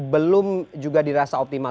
belum juga dirasa optimal